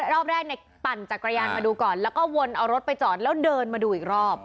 รอบแรกเนี่ยปั่นจักรยานมาดูก่อนแล้วก็วนเอารถไปจอดแล้วเดินมาดูอีกรอบ